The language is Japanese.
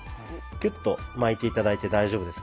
キュッと巻いて頂いて大丈夫ですので。